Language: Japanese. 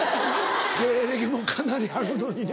芸歴もかなりあるのにね。